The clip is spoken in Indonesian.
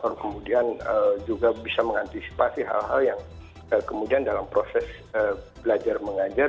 lalu kemudian juga bisa mengantisipasi hal hal yang kemudian dalam proses belajar mengajar